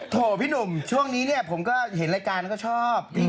โถ้พี่หนุ่มช่วงนี้ผมก็เห็นรายการก็ชอบ